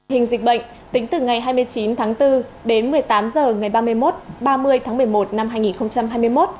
hình dịch bệnh tính từ ngày hai mươi chín tháng bốn đến một mươi tám h ngày ba mươi một ba mươi tháng một mươi một năm hai nghìn hai mươi một